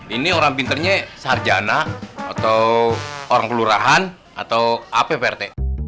ini orang pintarnya sarjana atau orang kelurahan atau apa pak rt